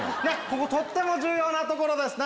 こことっても重要なところです